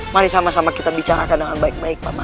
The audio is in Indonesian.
mari sama sama kita bicarakan dengan baik baik